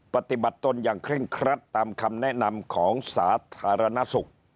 ปฏิบัติตนอย่างเคร่งครัดตามคำแนะนำของสาธารณสุข